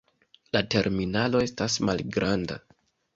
La terminalo estas malgranda.